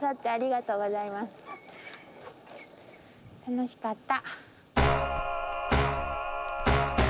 楽しかった！